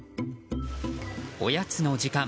おやつの時間。